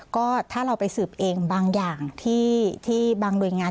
ก็ถ้าเราไปสืบเองบางอย่างที่บางหน่วยงาน